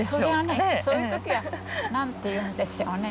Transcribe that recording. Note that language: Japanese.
そういう時は何て言うんでしょうね